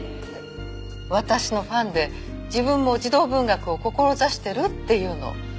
私のファンで自分も児童文学を志してるって言うの。